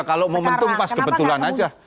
kalau momentum pas kebetulan aja